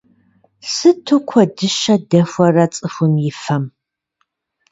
Сыту куэдыщэ дэхуэрэ цӏыхум и фэм…